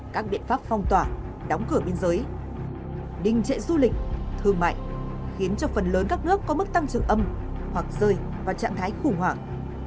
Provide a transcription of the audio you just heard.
các biện pháp phong tỏa đóng cửa biên giới đình trệ du lịch thương mại khiến cho phần lớn các nước có mức tăng trưởng âm hoặc rơi vào trạng thái khủng hoảng